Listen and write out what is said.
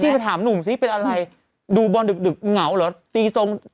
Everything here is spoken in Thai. คือรอดูไง